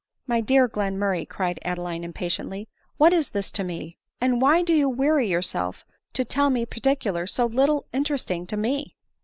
" My dear Glenmurray," cried Adeline impatiently, " what is this to me ? and why do you weary yourself to tell me particulars so little interesting to me?"